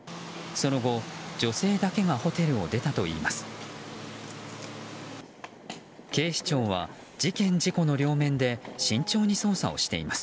その後、女性だけがホテルを出たといいます。